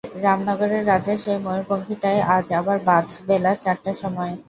রামনগরের রাজার সেই ময়ুরপঙ্খীটায় আজ আবার বাচ, বেলা চারটার সময়!